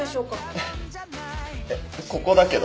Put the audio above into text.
えっここだけど。